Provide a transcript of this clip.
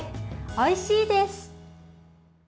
おいしいです！